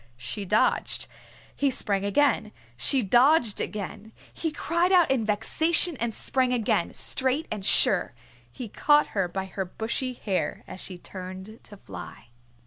She dodged. He sprang again. She dodged again. He cried out in vexation and sprang again, straight and sure. He caught her by her bushy hair as she turned to fly.